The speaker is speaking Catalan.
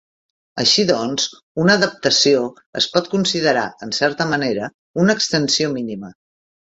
Així doncs, una adaptació es pot considerar, en certa manera, una extensió mínima.